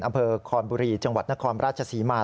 อำเภอคอนบุรีจังหวัดนครราชศรีมา